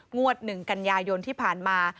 งวด๑กันยายนที่ผ่านมา